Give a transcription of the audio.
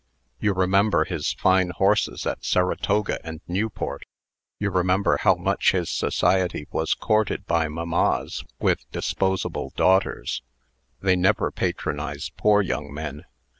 You remember his fine horses at Saratoga and Newport. You remember how much his society was courted by mammas with disposable daughters. They never patronize poor young men.